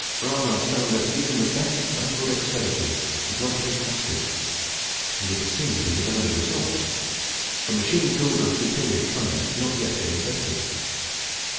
Bramah found that even the best manual dexterity was not to be trusted, and yet it seemed to be his only resource; for machine tools of a superior kind had not yet been invented.